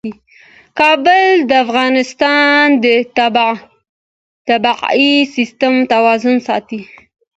کابل د افغانستان د طبعي سیسټم توازن ساتي.